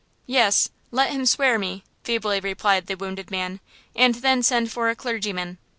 "Yes, let him swear me," feebly replied the wounded man, "and then send for a clergyman."